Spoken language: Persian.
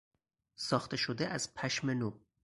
ساخته شده از پشم نو